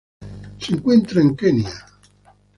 Se encuentra en Kenia.